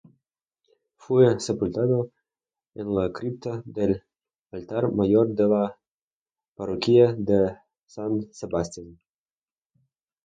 Fue sepultado en la cripta del altar mayor de la parroquia de San Sebastián.